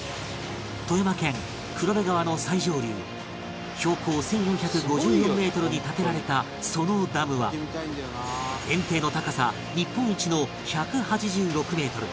富山県黒部川の最上流標高１４５４メートルに建てられたそのダムは堰堤の高さ日本一の１８６メートル